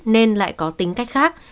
nên lại có tính cách khác